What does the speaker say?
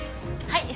はい！